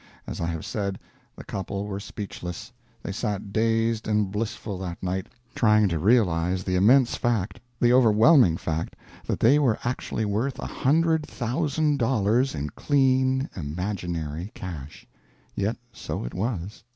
As I have said, the couple were speechless, they sat dazed and blissful that night, trying to realize that they were actually worth a hundred thousand dollars in clean, imaginary cash. Yet so it was.